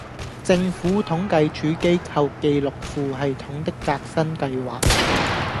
政府統計處機構記錄庫系統的革新計劃